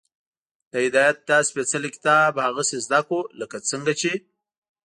د هدایت دا سپېڅلی کتاب هغسې زده کړو، لکه څنګه چې